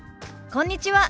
こんにちは。